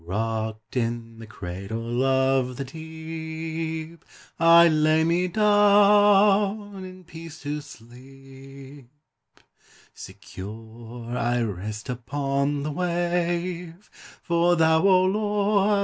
Rocked in the cradle of the deep I lay me down in peace to sleep; Secure I rest upon the wave, For thou, O Lord!